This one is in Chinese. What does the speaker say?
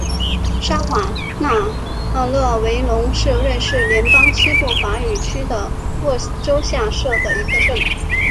沙瓦讷勒维龙是瑞士联邦西部法语区的沃州下设的一个镇。